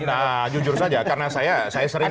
nah jujur saja karena saya sering